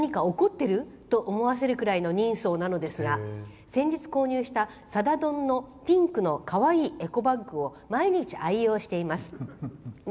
そんな主人はいつも周りの人に何か怒ってる？と思わせるぐらいの人相なんですが先日購入した「さだ丼」のピンクのかわいいエコバッグを毎日、愛用しています。